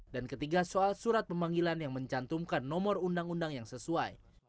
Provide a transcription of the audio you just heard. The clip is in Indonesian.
dan ketiga soal surat pemanggilan yang mencantumkan nomor undang undang yang sesuai